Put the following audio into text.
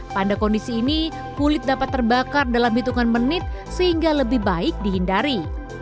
pada kondisi ini kulit dapat terbakar dalam hitungan menit sehingga lebih baik dihindari